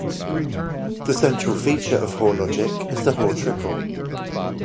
The central feature of Hoare logic is the Hoare triple.